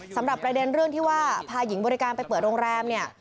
สำหรับประเด็นเรื่องที่ว่าพาหญิงบริการไปเปิดโรงแรมเนี่ย